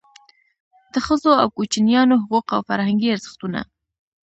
د ښځو او کوچنیانو حقوق او فرهنګي ارزښتونه.